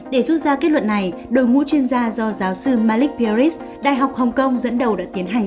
để rút ra kết luận này đội ngũ chuyên gia do giáo sư malikierit đại học hồng kông dẫn đầu đã tiến hành